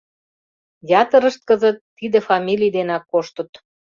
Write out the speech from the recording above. Ятырышт кызыт тиде фамилий денак коштыт.